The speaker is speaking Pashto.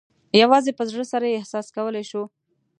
یوازې په زړه سره یې احساس کولای شو.